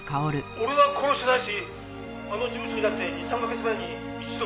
「俺は殺してないしあの事務所にだって２３カ月前に一度行ったきりだ」